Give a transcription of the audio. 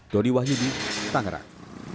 dodi wahyudi tangerang